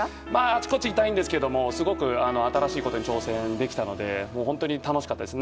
あちこち痛いですけど新しいことに挑戦できたので本当に楽しかったです。